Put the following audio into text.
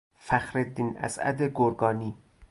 فخرالدین اسعد گرگانی